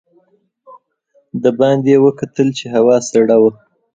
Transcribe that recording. د باندې یې وکتل چې هوا سړه وه.